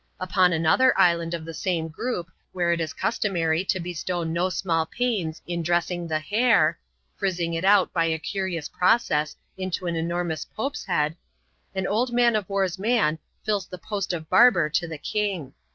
Upon another iidand of the same group, where it is customary to bestow no small pains in dressing the hair frizzing it out by a curious process,^ into an enormous Pope's head — an old man of war's man fills the post of barber to the king.